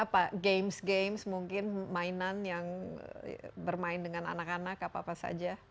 apa games games mungkin mainan yang bermain dengan anak anak apa apa saja